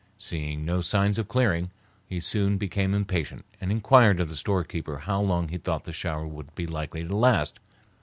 Seeing no signs of clearing, he soon became impatient and inquired of the storekeeper how long he thought the shower would be likely to last.